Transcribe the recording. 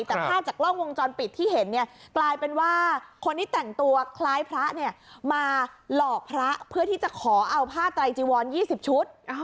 แต่ภาพจากกล้องวงจรปิดที่เห็นเนี่ยกลายเป็นว่าคนที่แต่งตัวคล้ายพระเนี่ยมาหลอกพระเพื่อที่จะขอเอาผ้าไตรจีวร๒๐ชุด